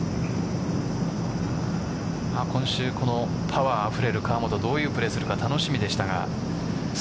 今週パワーアップあふれる河本どういうプレーをするか楽しみでしたが。